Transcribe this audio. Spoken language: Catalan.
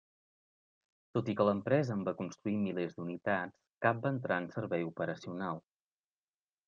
Tot i que l'empresa en va construir milers d'unitats, cap va entrar en servei operacional.